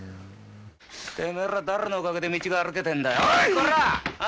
てめえら誰のおかげで道が歩けてんだよおいコラ！